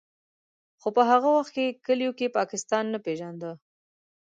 خو په هغه وخت کې کلیو کې پاکستان نه پېژانده.